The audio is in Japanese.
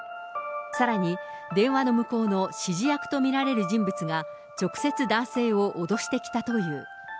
さらに、電話の向こうの指示役と見られる人物が、直接、男性を脅してきたという。